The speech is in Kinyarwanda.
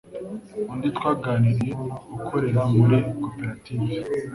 Undi twaganiriye ukorera muri koperative